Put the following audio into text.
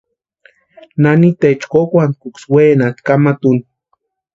Naniteecha kókwantkuksï wenatʼi kamata úni.